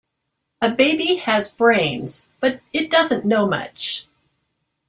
A baby has brains, but it doesn't know much.